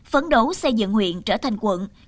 phấn đấu xây dựng huyện trở thành quận